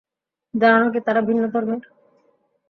জানো নাকি তারা ভিন্ন ধর্মের।